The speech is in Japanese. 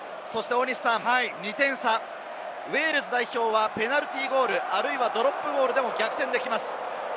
２点差、ウェールズ代表はペナルティーゴール、あるいはドロップゴールでも逆転できます。